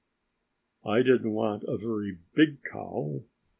I did not want a very big cow.